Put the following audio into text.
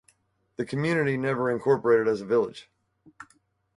The community never incorporated as a village.